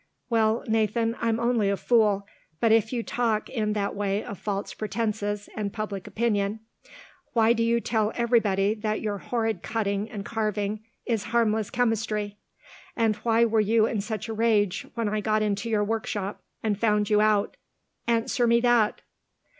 "Well, Nathan, I'm only a fool but if you talk in that way of false pretences and public opinion, why do you tell everybody that your horrid cutting and carving is harmless chemistry? And why were you in such a rage when I got into your workshop, and found you out? Answer me that!"